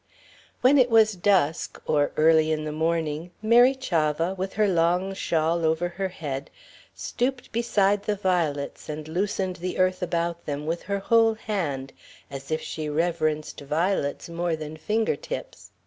When it was dusk, or early in the morning, Mary Chavah, with her long shawl over her head, stooped beside the violets and loosened the earth about them with her whole hand, and as if she reverenced violets more than finger tips.